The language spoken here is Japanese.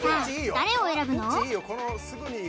誰を選ぶの？